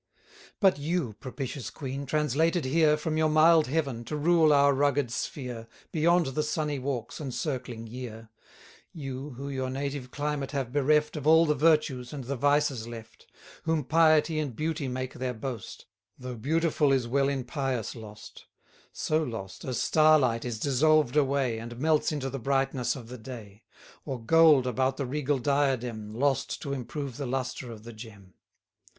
But you, propitious queen, translated here, From your mild heaven, to rule our rugged sphere, Beyond the sunny walks, and circling year: You, who your native climate have bereft Of all the virtues, and the vices left; Whom piety and beauty make their boast, 310 Though beautiful is well in pious lost; So lost, as star light is dissolved away, And melts into the brightness of the day; Or gold about the regal diadem, Lost to improve the lustre of the gem.